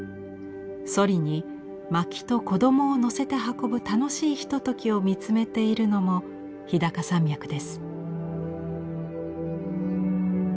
そりに薪と子どもを乗せて運ぶ楽しいひとときを見つめているのも日高山脈です。